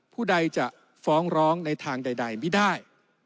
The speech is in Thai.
ผู้ใดจะฟ้องร้องในทางใดไม่ได้